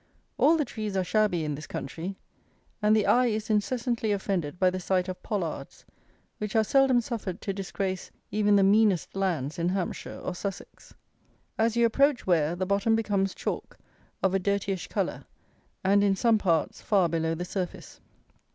All the trees are shabby in this country; and the eye is incessantly offended by the sight of pollards, which are seldom suffered to disgrace even the meanest lands in Hampshire or Sussex. As you approach Ware the bottom becomes chalk of a dirtyish colour, and, in some parts, far below the surface.